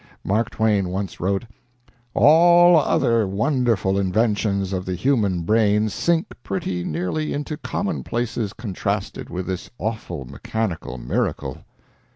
Mark Twain once wrote: "All other wonderful inventions of the human brain sink pretty nearly into commonplaces contrasted with this awful, mechanical miracle."